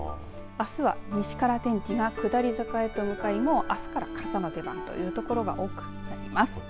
あすは西から天気が下り坂へと向かいもうあすから傘の出番というところが多くなります。